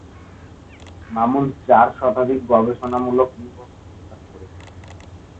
মামুন চার শতাধিক গবেষণামূলক নিবন্ধ প্রকাশ করেছেন।